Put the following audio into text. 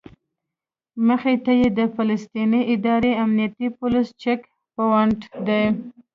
مخې ته یې د فلسطیني ادارې امنیتي پولیسو چیک پواینټ دی.